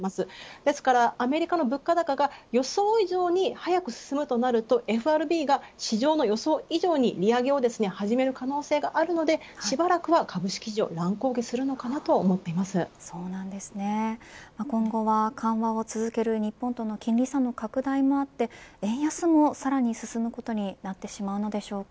ですから、アメリカの物価高が予想以上に速く進むとなるとＦＲＢが市場の予想以上に利上げを始める可能性があるのでしばらくは株式市場が今後は、緩和を続ける日本との金利差の拡大もあって円安もさらに進むことになってしまうのでしょうか。